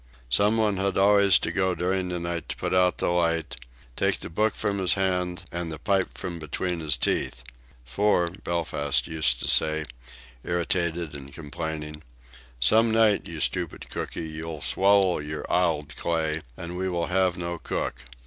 Some one had always to go during the night to put out the light, take the book from his hand, and the pipe from between his teeth. "For" Belfast used to say, irritated and complaining "some night, you stupid cookie, you'll swallow your ould clay, and we will have no cook."